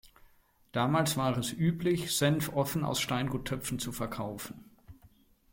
Damals war es üblich, Senf offen aus Steingut-Töpfen zu verkaufen.